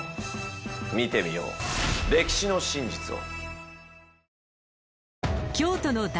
見てみよう歴史の真実を。